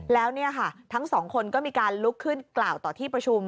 แล้วเนี่ยค่ะทั้งสองคนก็มีการลุกขึ้นกล่าวต่อที่ประชุม